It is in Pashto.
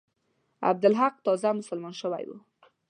عبدالحق تازه مسلمان شوی وو.